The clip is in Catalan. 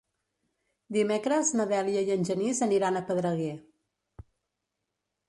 Dimecres na Dèlia i en Genís aniran a Pedreguer.